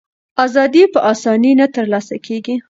ازادي په آسانۍ نه ترلاسه کېږي.